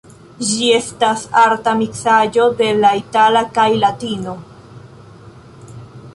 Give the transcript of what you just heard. Ĝi estas arta miksaĵo de la itala kaj latino.